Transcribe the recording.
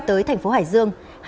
tới thành phố hải dương